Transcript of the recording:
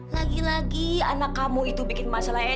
lagi lagi anak kamu itu bikin masalah ya